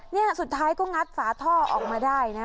นี่สุดท้ายก็งัดฝาท่อออกมาได้นะ